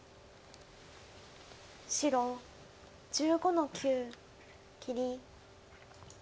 白１５の九切り。